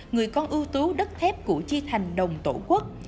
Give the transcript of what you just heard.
người con ưu tú đất thép củ chi thành đồng tổ quốc